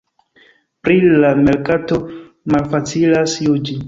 Pri la merkato malfacilas juĝi.